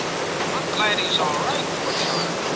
' I am glad he's all right, poor child.